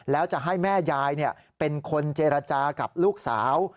แล้วจะให้แม่ยายเป็นคนเจรจากับลูกสาว